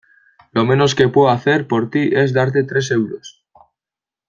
Lo menos que puedo hacer por ti es darte tres euros.